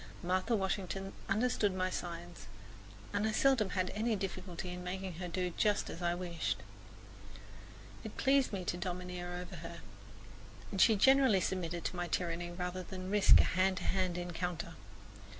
Martha Washington understood my signs, and I seldom had any difficulty in making her do just as I wished. It pleased me to domineer over her, and she generally submitted to my tyranny rather than risk a hand to hand encounter.